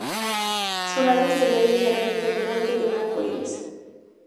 Su radio exterior es ligeramente menor que el de un arco iris.